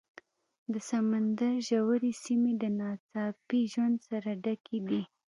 د سمندر ژورې سیمې د ناڅاپي ژوند سره ډکې دي.